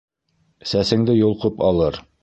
Сәсеңде йолҡоп алыр.